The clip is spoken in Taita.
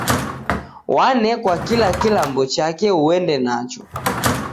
Wanekwa kila kilambo chake uende nacho.